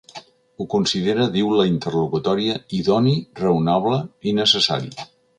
Ho considera, diu la interlocutòria, ‘idoni, raonable i necessari’.